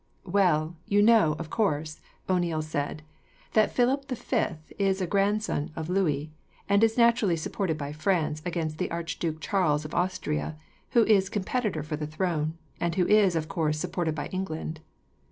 "Well, you know, of course," O'Neil said, "that Philip the Fifth is a grandson of Louis; and is naturally supported by France against the Archduke Charles of Austria, who is competitor for the throne, and who is, of course, supported by England.